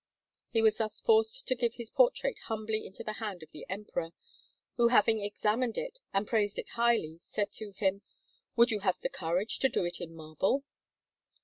He was thus forced to give his portrait humbly into the hand of the Emperor, who, having examined it and praised it highly, said to him: "Would you have the courage to do it in marble?"